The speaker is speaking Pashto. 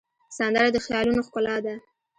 سندره د خیالونو ښکلا ده